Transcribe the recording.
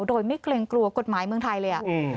โดยไม่เกรงกลัวกฎหมายเมืองไทยเลย